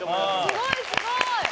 すごい、すごい！